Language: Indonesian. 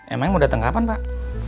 emang mau datang kapan pak